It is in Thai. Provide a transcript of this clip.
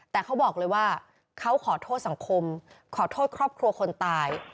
แต่เขาบอกเลยว่าเขาขอโทษสังคมขอโทษครอบครัวคนตาย